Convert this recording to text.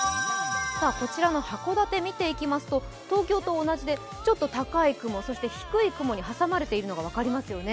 こちらの函館見ていきますと東京と同じでちょっと高い雲、そして低い雲に挟まれているのが分かりますよね。